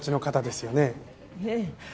ええ。